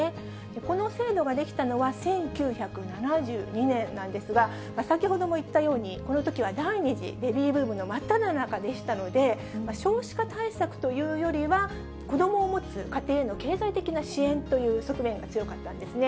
この制度ができたのは、１９７２年なんですが、先ほども言ったように、このときは第２次ベビーブームの真っただ中でしたので、少子化対策というよりは、子どもを持つ家庭への経済的な支援という側面が強かったんですね。